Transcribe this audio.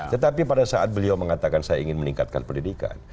tetapi pada saat beliau mengatakan saya ingin meningkatkan pendidikan